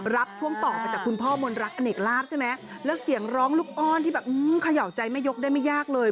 รับช่วงต่อมาจากคุณพ่อมนรักอเนกลาบใช่ไหมแล้วเสียงร้องลูกอ้อนที่แบบเขย่าใจแม่ยกได้ไม่ยากเลย